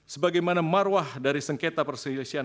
sebagaimana marwah dari sengketa perselesian hasil pemilihan umum